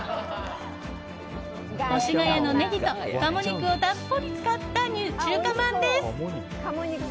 越谷のネギと鴨肉をたっぷり使った中華まんです。